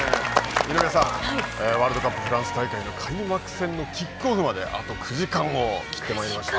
ワールドカップフランス大会の開幕戦のキックオフまであと９時間を切ってまいりました。